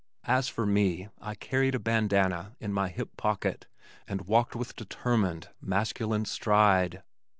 As for me I carried a bandanna in my hip pocket and walked with determined masculine stride.